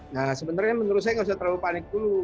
nah sebenarnya menurut saya nggak usah terlalu panik dulu